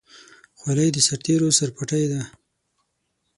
خولۍ د سرتېرو سرپټۍ ده.